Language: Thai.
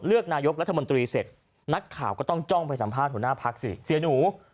เลือกนายกรัฐมนตรีเสร็จนักข่าวก็ต้องจ้องไปสัมภาษณ์